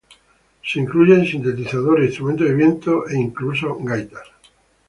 Se incluyen sintetizadores, instrumentos de viento e inclusive gaitas.